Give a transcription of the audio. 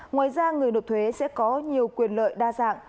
ngoài ra người nộp thuế sẽ có nhiều quyền lợi đa dạng